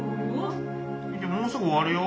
もうすぐ終わるよ？